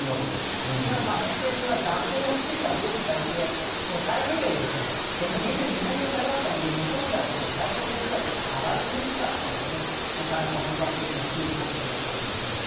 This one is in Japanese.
ただ偏西風が蛇行していた分だけ太平洋で逆に偏西風が南に下がったので、太平洋高気圧が日本では上がりにくかったので本格的な梅雨になっていなかった。